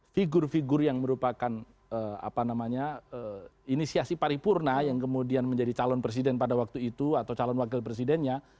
figur figur yang merupakan inisiasi paripurna yang kemudian menjadi calon presiden pada waktu itu atau calon wakil presidennya